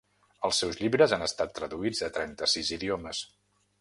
Els seus llibres han estat traduïts a trenta-sis idiomes.